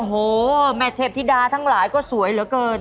โอ้โหแม่เทพธิดาทั้งหลายก็สวยเหลือเกิน